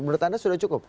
menurut anda sudah cukup